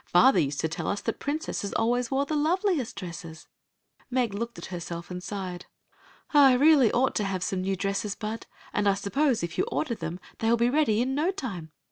Father used to tell us that princesses always wore the loveliest dresses. Meg looked at herself and sighed. " I really ought to have some new dresses. Bud. And I suppose if you order them they will be ready in no time.